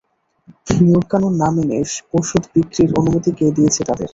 নিয়মকানুন না মেনে ওষুধ বিক্রির অনুমতি কে দিয়েছে তাদের?